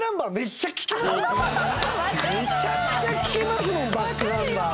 めちゃくちゃ聴きますもんｂａｃｋｎｕｍｂｅｒ